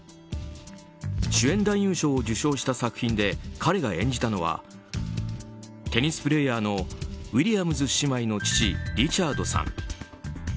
主演男優賞を受賞した作品で彼が演じたのはテニスプレーヤーのウィリアムズ姉妹の父リチャードさん。